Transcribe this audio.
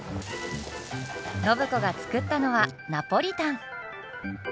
暢子が作ったのはナポリタン！